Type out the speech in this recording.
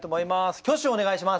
挙手をお願いします。